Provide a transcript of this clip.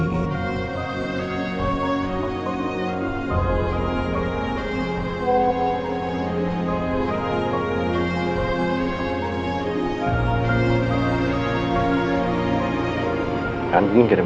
banding ini kirim foto apa ini